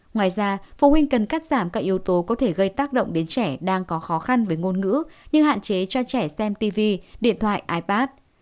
ngoài ra phụ huynh cần cắt giảm các yếu tố có thể gây tác động đến trẻ đang có khó khăn với ngôn ngữ như hạn chế cho trẻ xem tv điện thoại ipad